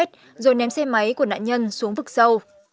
rồi ném xe máy của nạn nhân xuống vực sâu